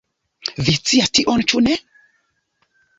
Vi scias tion ĉu ne?